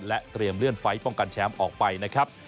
และเตรียมเลื่อนไฟล์ป้องกันแชมป์ออกไปนะครับ